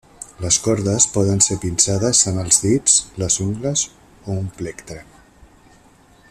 Les cordes poden ser pinçades amb els dits, les ungles o amb un plectre.